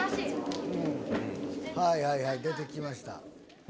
はいはい出て来ました。